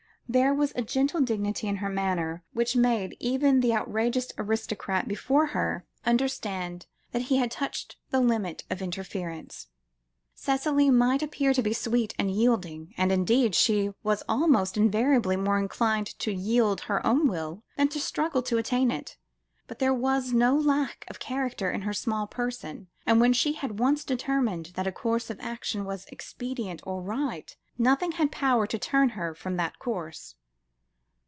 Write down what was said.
There was a gentle dignity about her manner, which made even the outrageous autocrat before her, understand that he had touched the limit of interference. Cicely might appear to be sweet and yielding; and, indeed, she was almost invariably more inclined to yield her own will, than to struggle to attain it, but there was no lack of character in her small person, and when she had once determined that a course of action was expedient or right, nothing had power to turn her from that course.